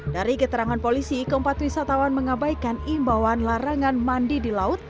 dari keterangan polisi keempat wisatawan mengabaikan imbauan larangan mandi di laut